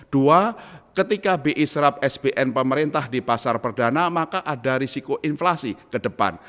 dua ketika bi serap sbn pemerintah di pasar perdana maka ada risiko inflasi ke depan